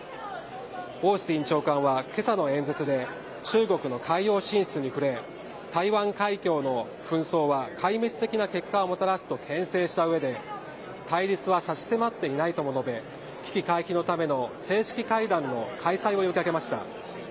オースティン長官は今朝の演説で中国の海洋進出に触れ台湾海峡の紛争は壊滅的な結果をもたらすとけん制した上で対立は差し迫っていないとも述べ危機回避のための正式会談の開催を呼び掛けました。